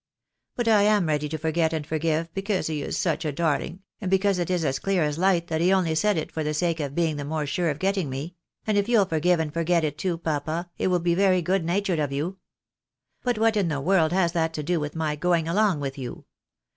But I am ready to forget and forgive, because he is such a darling, and because it is as clear as light that he only said it for the sake of being the more sure of getting me ; and if you'll forgive and forget it too, papa, it will be very good natured of you. But what in the world has that to do with my 'going along with you.'